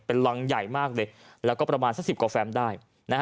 เป็นรังใหญ่มากเลยแล้วก็ประมาณสัก๑๐กว่าแฟมได้